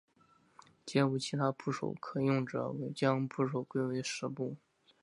且无其他部首可用者将部首归为石部。